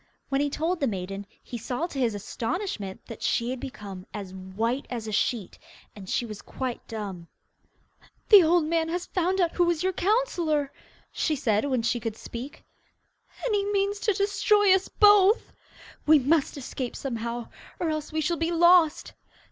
When he told the maiden, he saw to his astonishment that she had become as white as a sheet, and she was quite dumb. 'The old man has found out who was your counsellor,' she said when she could speak, 'and he means to destroy us both.' We must escape somehow, or else we shall be lost.